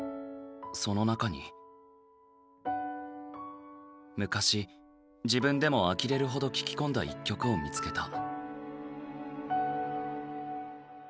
その中に昔自分でもあきれるほど聴き込んだ一曲を見つけた。